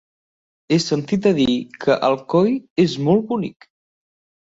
He sentit a dir que Alcoi és molt bonic.